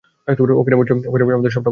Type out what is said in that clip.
ওখানে বসে আমাদের সবটা বলতে পারবে।